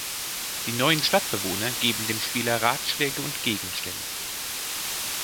Die neuen Stadtbewohner geben dem Spieler Ratschläge und Gegenstände.